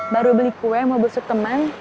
baru beli kue mau besok temen